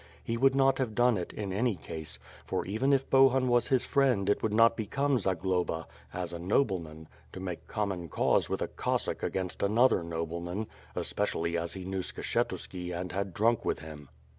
He would not have done it, in any case; for even if Bohun was his friend it would not become Zagloba, as a nobleman, to make common cause with a Cossack against another nobleman, especially as he knew Skshetuski and had drunk with him.